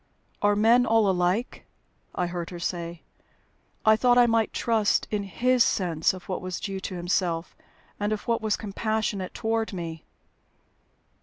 "Are men all alike?" I heard her say. "I thought I might trust in his sense of what was due to himself and of what was compassionate toward me."